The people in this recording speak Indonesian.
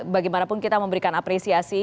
bagaimanapun kita memberikan apresiasi